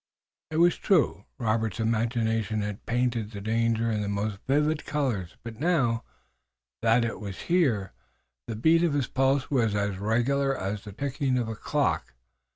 It was true. Robert's imagination had painted the danger in the most vivid colors, but now, that it was here, the beat of his pulse was as regular as the ticking of a clock.